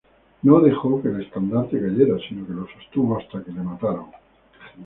No dejó que el estandarte cayera, sino que lo sostuvo hasta que le mataron.